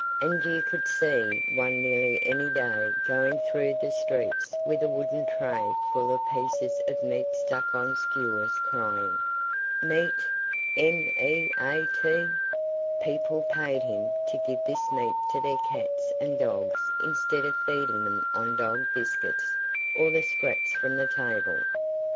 And you could see one nearly any day going through the streets with a wooden tray full of pieces of meat stuck on skewers crying, "Meat! M E A T!" People paid him to give this meat to their cats and dogs instead of feeding them on dog biscuits or the scraps from the table.